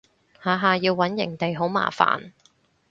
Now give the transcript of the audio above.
下下要搵營地好麻煩